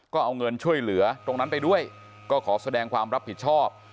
ก็เอาเงินช่วยเหลือตรงนั้นไปด้วยก็ขอแสดงความรับผิดชอบ